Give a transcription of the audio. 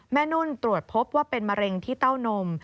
นุ่นตรวจพบว่าเป็นมะเร็งที่เต้านม